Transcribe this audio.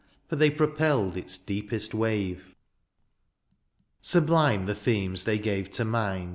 For they propelled its deepest wave. Sublime the themes they gave to mind.